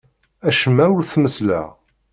Acemma ur t-messleɣ.